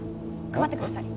配ってください。